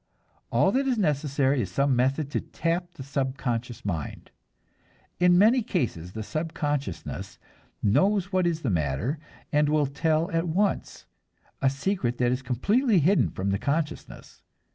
All that is necessary is some method to tap the subconscious mind. In many cases the subconsciousness knows what is the matter, and will tell at once a secret that is completely hidden from the consciousness.